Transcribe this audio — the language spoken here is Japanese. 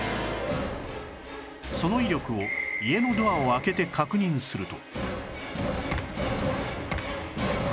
その威力を家のドアを開けて確認すると